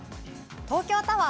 東京タワー。